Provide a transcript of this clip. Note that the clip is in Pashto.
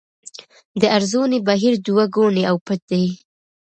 د ارزونې بهیر دوه ګونی او پټ دی.